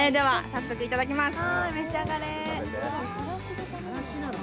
早速いただきます。